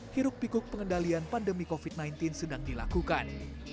hiruk pikuk pengendalian pandemi covid sembilan belas sedang dilakukan